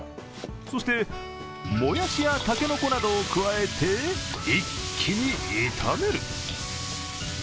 そして、もやしやたけのこなどを加えて一気に炒める。